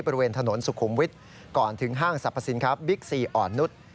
บริเวณถนนสุขุมวิทย์ก่อนถึงห้างสรรพสินค้าบิ๊กซีอ่อนนุษย์